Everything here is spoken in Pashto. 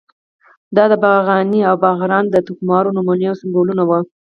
دا د باغني او باغران د ټوکمارو نمونې او سمبولونه وو.